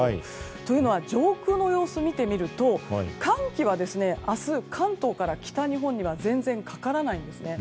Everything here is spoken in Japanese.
というのは上空の様子を見てみると寒気は明日、関東から北日本には全然かからないんですね。